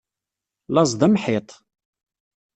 Laẓ d amḥiṭ.